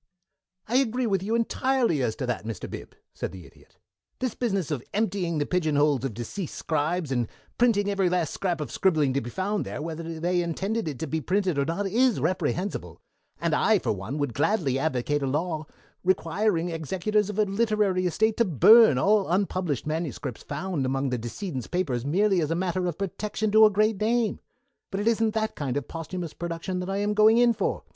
"I agree with you entirely as to that, Mr. Bib," said the Idiot. "This business of emptying the pigeonholes of deceased scribes, and printing every last scrap of scribbling to be found there, whether they intended it to be printed or not, is reprehensible, and I for one would gladly advocate a law requiring executors of a literary estate to burn all unpublished manuscripts found among the decedent's papers merely as a matter of protection to a great name. But it isn't that kind of posthumous production that I am going in for.